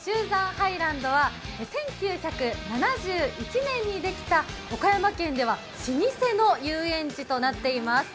ハイランドは１９７１年にできた岡山県では老舗の遊園地となっています。